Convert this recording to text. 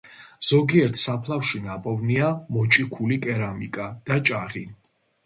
ზოგიერთ საფლავში ნაპოვნია მოჭიქული კერამიკა და ჭაღი.